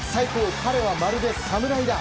彼はまるで侍だ。